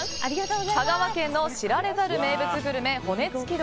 香川県の知られざる名物グルメ骨付鶏。